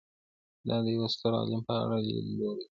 دا د یوه ستر علم په اړه لیدلوری دی.